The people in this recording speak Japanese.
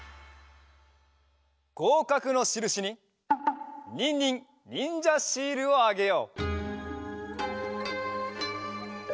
ごうかくのしるしにニンニンにんじゃシールをあげよう！